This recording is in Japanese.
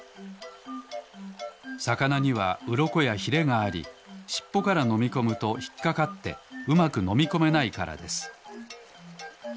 さかなにはうろこやひれがありしっぽからのみこむとひっかかってうまくのみこめないからです。